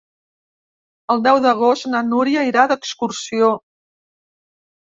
El deu d'agost na Núria irà d'excursió.